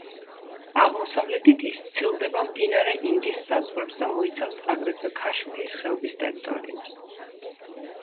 აღმოსავლეთით ის სცილდება მდინარე ინდის საზღვრებს და მოიცავს, აგრეთვე, ქაშმირის ხეობის ტერიტორიებს.